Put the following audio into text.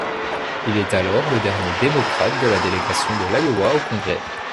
Il est alors le dernier démocrate de la délégation de l'Iowa au Congrès.